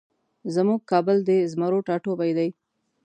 زمونږ کابل د زمرو ټاټوبی دی